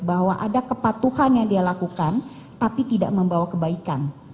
bahwa ada kepatuhan yang dia lakukan tapi tidak membawa kebaikan